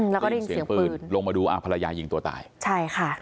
แล้วก็ได้ยินเสียงปืนลงมาดูอ่าภรรยายิงตัวตายใช่ค่ะ